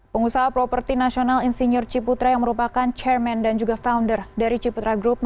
pengusaha properti nasional insinyur ciputra yang merupakan chairman dan juga founder dari ciputra group